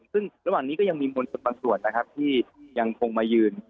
ซึ่งระหว่างนี้ก็ยังมีมวลชนบางส่วนนะครับที่ยังคงมายืน